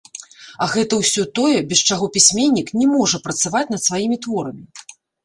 А гэта ўсё тое, без чаго пісьменнік не можа працаваць над сваімі творамі.